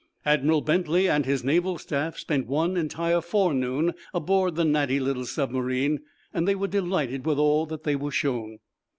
Admiral Bentley and his naval staff spent one entire forenoon aboard the natty little submarine. They were delighted with all that they were shown.